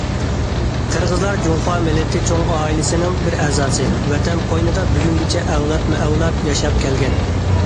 قىرغىزلار جۇڭخۇا مىللىتى چوڭ ئائىلىسىنىڭ بىر ئەزاسى، ۋەتەن قوينىدا بۈگۈنگىچە ئەۋلادمۇ ئەۋلاد ياشاپ كەلگەن.